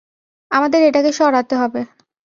আমাদের এটাকে সরাতে হবে।